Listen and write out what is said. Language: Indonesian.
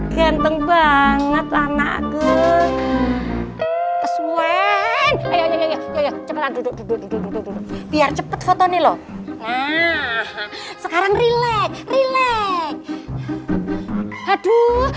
ganteng banget anak gue kesuen biar cepet foto nih loh sekarang rileks rileks haduh